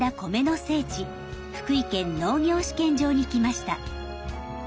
福井県農業試験場に来ました。